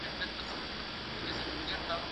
زه کولای سم امادګي ونيسم؟